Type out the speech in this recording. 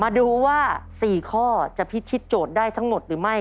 มาดูว่า๔ข้อจะพิชิตโจทย์ได้ทั้งหมดหรือไม่